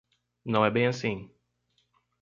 Não é bem assim.